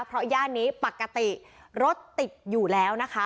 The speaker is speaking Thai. เพราะย่านนี้ปกติรถติดอยู่แล้วนะคะ